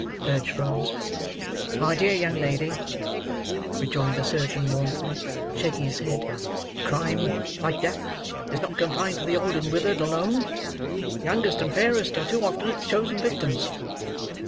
urged Rose. "My dear young lady," rejoined the surgeon, mournfully shaking his head; "crime, like death, is not confined to the old and withered alone. The youngest and fairest are too often its chosen victims."